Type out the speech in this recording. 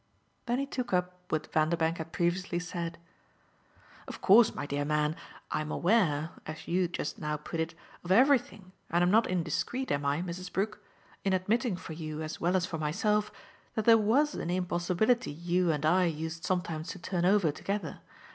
Then he took up what Vanderbank had previously said. "Of course, my dear man, I'm 'aware,' as you just now put it, of everything, and I'm not indiscreet, am I, Mrs. Brook? in admitting for you as well as for myself that there WAS an impossibility you and I used sometimes to turn over together.